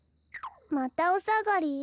またおさがり？